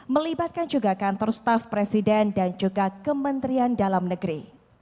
melibatkan juga kantor staf presiden dan juga kementerian dalam negeri